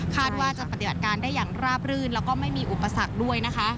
ว่าจะปฏิบัติการได้อย่างราบรื่นแล้วก็ไม่มีอุปสรรคด้วยนะคะ